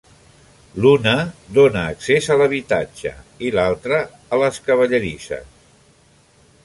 L'una dóna accés a l'habitatge i l'altre a les cavallerisses.